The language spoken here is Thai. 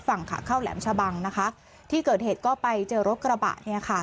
ฝั่งขาเข้าแหลมชะบังนะคะที่เกิดเหตุก็ไปเจอรถกระบะเนี่ยค่ะ